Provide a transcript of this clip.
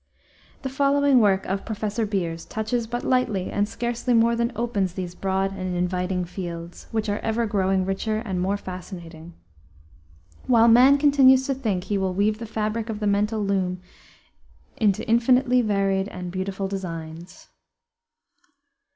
The following work of Professor Beers touches but lightly and scarcely more than opens these broad and inviting fields, which are ever growing richer and more fascinating. While man continues to think he will weave the fabric of the mental loom into infinitely varied and beautiful designs.